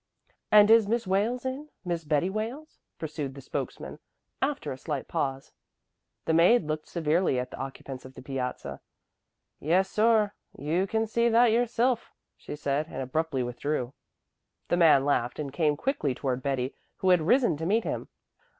"And is Miss Wales in Miss Betty Wales?" pursued the spokesman, after a slight pause. The maid looked severely at the occupants of the piazza. "Yes, sor, you can see that yoursilf," she said and abruptly withdrew. The man laughed and came quickly toward Betty, who had risen to meet him.